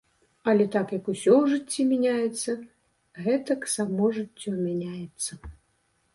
Але так як усё ў жыцці мяняецца, гэтак само жыццё мяняецца.